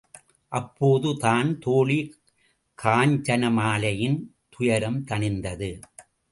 அப்போது தான் தோழி காஞ்சனமாலையின் துயரம் தணிந்தது.